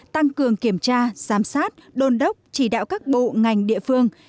tăng cường kiểm tra giám sát đôn đốc chỉ đạo các bộ ngành địa phương